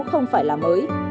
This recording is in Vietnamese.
không phải là mới